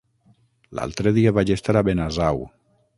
L'altre dia vaig estar a Benasau.